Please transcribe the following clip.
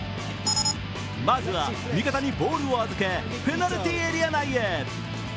まずは味方にボールを預けペナルティーエリア内へ。